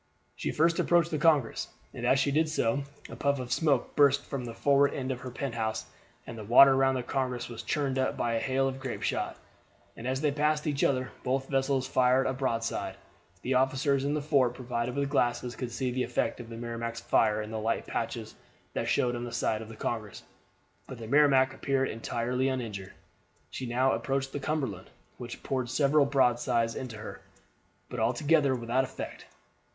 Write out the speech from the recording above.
She first approached the Congress, and as she did so a puff of smoke burst from the forward end of her pent house, and the water round the Congress was churned up by a hail of grape shot. As they passed each other both vessels fired a broadside. The officers in the fort, provided with glasses, could see the effect of the Merrimac's fire in the light patches that showed on the side of the Congress, but the Merrimac appeared entirely uninjured. She now approached the Cumberland, which poured several broadsides into her, but altogether without effect.